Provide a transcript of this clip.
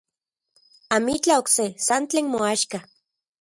Amitlaj okse, san tlen moaxka.